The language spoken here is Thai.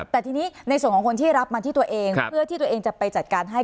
แต่ทีนี้ในส่วนของคนที่รับมาที่ตัวเองเพื่อที่ตัวเองจะไปจัดการให้